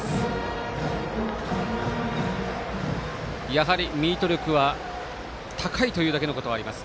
やはりミート力は高いというだけのことはあります。